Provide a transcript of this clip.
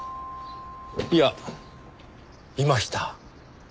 いやいました。